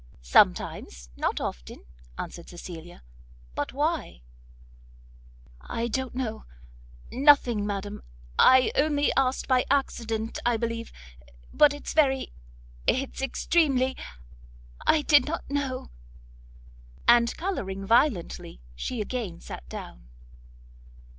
"Sometimes; not often," answered Cecilia; "but why?" "I don't know, nothing, madam, I only asked by accident, I believe, but it's very it's extremely I did not know" and colouring violently, she again sat down.